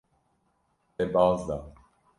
Te baz da.